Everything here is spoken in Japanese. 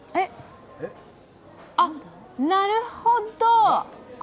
あっ、なるほど！